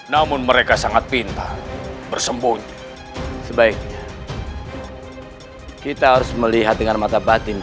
namun mereka sangat pintar bersembunyi sebaiknya kita harus melihat dengan mata batin